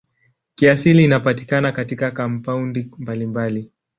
Kiasili inapatikana katika kampaundi mbalimbali.